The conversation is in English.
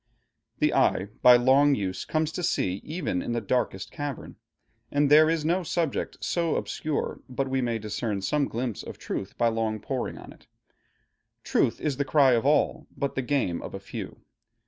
The eye by long use comes to see, even in the darkest cavern; and there is no subject so obscure, but we may discern some glimpse of truth by long poring on it. Truth is the cry of all, but the game of a few.